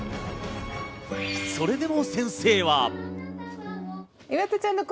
それでも先生は。